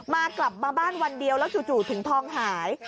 กลับมาบ้านวันเดียวแล้วจู่ถึงทองหาย